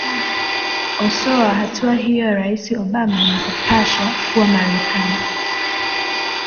osoa hatua hiyo ya rais obama na kupasha kuwa marekani